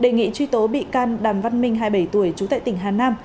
nghĩ truy tố bị can đàm văn minh hai mươi bảy tuổi trú tại tỉnh hà nam